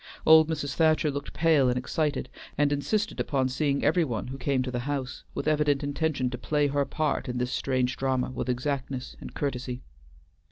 Old Mrs. Thacher looked pale and excited, and insisted upon seeing every one who came to the house, with evident intention to play her part in this strange drama with exactness and courtesy.